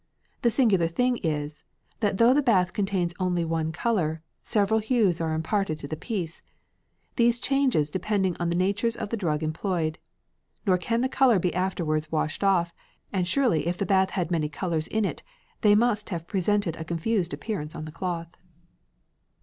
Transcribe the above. The singular thing is, that though the bath contains only one colour, several hues are imparted to the piece, these changes depending on the natures of the drug employed; nor can the colour be afterward washed off; and surely if the bath had many colours in it, they must have presented a confused appearance on the cloth."